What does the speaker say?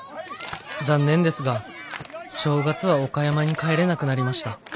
残念ですが正月は岡山に帰れなくなりました。